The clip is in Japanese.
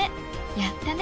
やったね！